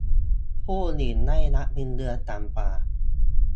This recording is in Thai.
ผู้หญิงได้รับเงินเดือนต่ำกว่า